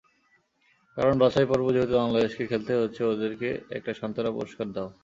কারণ, বাছাই পর্ব যেহেতু বাংলাদেশকে খেলতেই হচ্ছে, ওদেরকে একটা সান্ত্বনা পুরস্কার দাও।